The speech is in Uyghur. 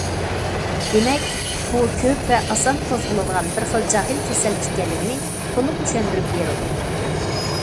دېمەك، بۇ كۆپ ۋە ئاسان قوزغىلىدىغان بىر خىل جاھىل كېسەل ئىكەنلىكىنى تولۇق چۈشەندۈرۈپ بېرىدۇ.